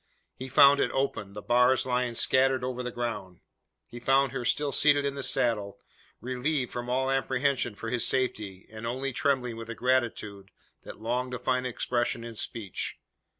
He found it open the bars lying scattered over the ground. He found her still seated in the saddle, relieved from all apprehension for his safety, and only trembling with a gratitude that longed to find expression in speech.